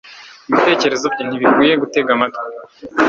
Ibitekerezo bye ntibikwiye gutega amatwi